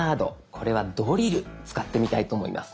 これは「ドリル」使ってみたいと思います。